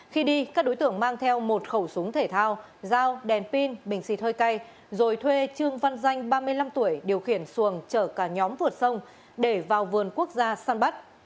khi đi các đối tượng mang theo một khẩu súng thể thao dao đèn pin bình xịt hơi cay rồi thuê trương văn danh ba mươi năm tuổi điều khiển xuồng chở cả nhóm vượt sông để vào vườn quốc gia san bắc